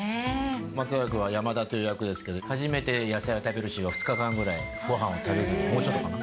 松山君は山田という役ですけど、初めて野菜を食べるシーンは、２日間ぐらいごはんを食べずに、もうちょっとかな。